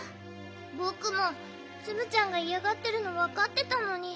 ぼくもツムちゃんがいやがってるのわかってたのに。